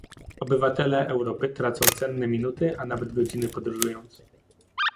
Obywatele Europy tracą cenne minuty, a nawet godziny, podróżując